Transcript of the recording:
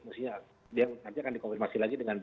maksudnya dia nanti akan dikomunikasi lagi dengan